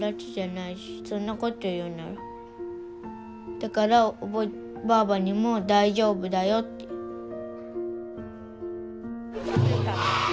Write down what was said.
だからばぁばにも大丈夫だよって言う。